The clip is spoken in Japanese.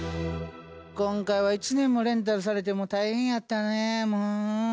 今回は１年もレンタルされてもう大変やったねもう。